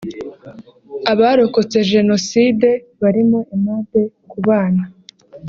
abarokotse Jenoside barimo Aimable Kubana